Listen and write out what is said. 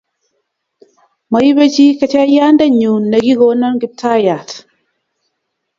Moibe chi kecheyandeng'ung' nekigonin Kiptaiyat.